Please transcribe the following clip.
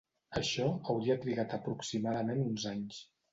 Això hauria trigat aproximadament uns anys.